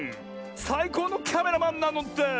さいこうのキャメラマンなのです！